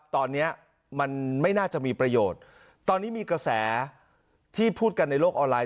ตอนนี้มันไม่น่าจะมีประโยชน์ตอนนี้มีกระแสที่พูดกันในโลกออนไลน